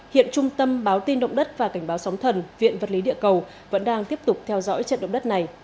hiện trung tâm báo tin động đất và cảnh báo sóng thần viện vật lý địa cầu vẫn đang tiếp tục theo dõi trận động đất này